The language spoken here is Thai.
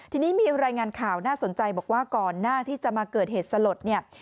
ทีนี้มีรายงานข่าวน่าสนใจบอกว่าก่อนหน้าที่จะมาเกิดเหตุสลดเนี่ย